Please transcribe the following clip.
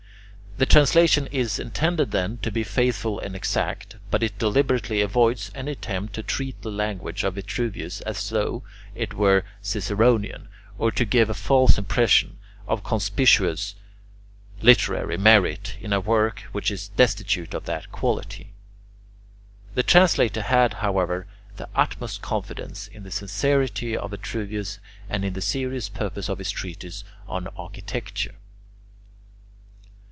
The translation is intended, then, to be faithful and exact, but it deliberately avoids any attempt to treat the language of Vitruvius as though it were Ciceronian, or to give a false impression of conspicuous literary merit in a work which is destitute of that quality. The translator had, however, the utmost confidence in the sincerity of Vitruvius and in the serious purpose of his treatise on architecture.